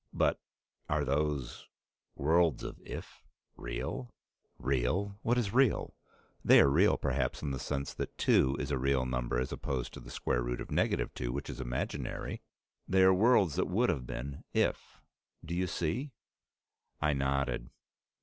"But are those worlds of 'if' real?" "Real? What is real? They are real, perhaps, in the sense that two is a real number as opposed to √ 2, which is imaginary. They are the worlds that would have been if Do you see?" I nodded.